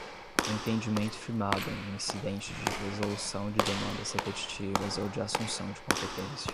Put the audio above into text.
entendimento firmado em incidente de resolução de demandas repetitivas ou de assunção de competência